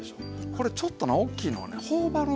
これちょっとな大きいのはね頬張る